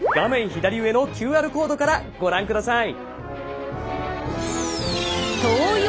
左上のＱＲコードからご覧ください！